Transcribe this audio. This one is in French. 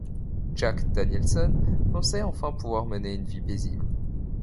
Jack Danielson pensait enfin pouvoir mener une vie paisible.